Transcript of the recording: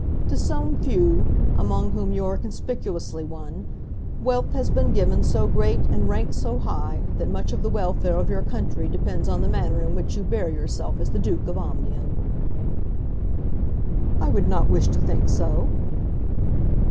To some few, among whom you are conspicuously one, wealth has been given so great and rank so high that much of the welfare of your country depends on the manner in which you bear yourself as the Duke of Omnium." "I would not wish to think so."